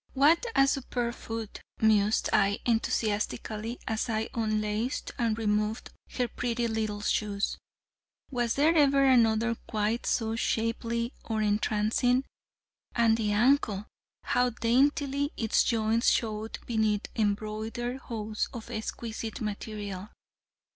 "What a superb foot!" mused I enthusiastically, as I unlaced and removed her pretty little shoes. "Was there ever another quite so shapely or entrancing? And the ankle! How daintily its joints showed beneath embroidered hose of exquisite material."